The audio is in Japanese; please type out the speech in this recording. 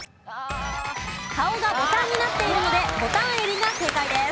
顔がボタンになっているのでボタンエビが正解です。